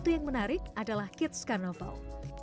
yang menarik adalah kids carnival